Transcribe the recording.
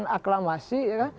dan aklamasi ya kan